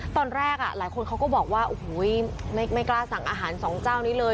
ตอนแรกหลายคนเขาก็บอกว่าโอ้โหไม่กล้าสั่งอาหารสองเจ้านี้เลย